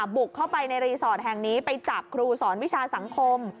บุกเข้าไปในรีสอร์ทแห่งนี้ไปจับครูสอนวิชาสังคม